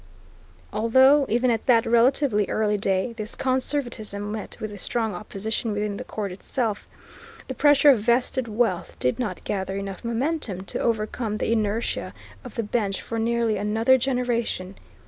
" Although, even at that relatively early day, this conservatism met with strong opposition within the Court itself, the pressure of vested wealth did not gather enough momentum to overcome the inertia of the bench for nearly another generation.